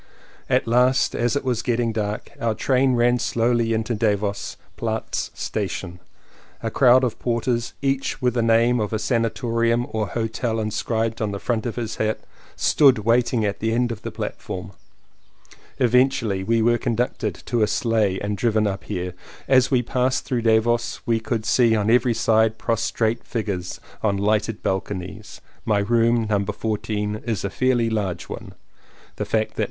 At last, as it was getting dark, our train ran slowly into Davos Platz station. A crowd of porters, each with a name of a sanatorium or hotel inscribed on the front of his hat, stood waiting at the end of the platform. Eventually we were conducted to a sleigh and driven up here. As we passed through Davos we could see on every side prostrate figures on lighted balconies. My room, No. 14, is a fairly large one. (The fact that No.